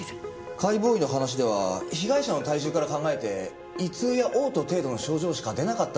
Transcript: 解剖医の話では被害者の体重から考えて胃痛や嘔吐程度の症状しか出なかっただろうという事です。